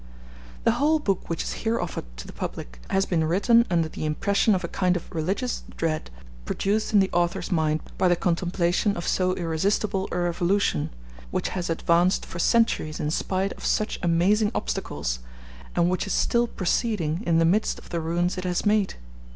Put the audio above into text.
The whole book which is here offered to the public has been written under the impression of a kind of religious dread produced in the author's mind by the contemplation of so irresistible a revolution, which has advanced for centuries in spite of such amazing obstacles, and which is still proceeding in the midst of the ruins it has made.